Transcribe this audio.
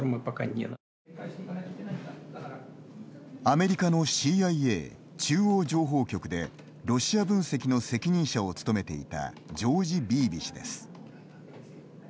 アメリカのＣＩＡ＝中央情報局でロシア分析の責任者を務めていたジョージ・ビービ氏です。